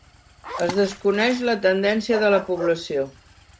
Es desconeix la tendència de la població.